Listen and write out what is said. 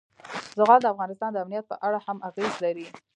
زغال د افغانستان د امنیت په اړه هم اغېز لري.